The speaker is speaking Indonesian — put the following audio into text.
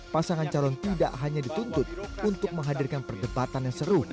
pasangan calon tidak hanya dituntut untuk menghadirkan perdebatan yang seru